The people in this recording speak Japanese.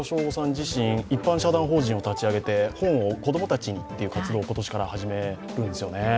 自身、一般社団法人を立ち上げて本を子供たちにという活動を今年から始めるんですよね。